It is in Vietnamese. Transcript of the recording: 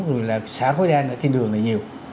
rồi là xả khói đen ở trên đường này nhiều